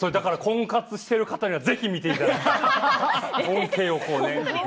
婚活している方にはぜひ見ていただきたい恩恵をね。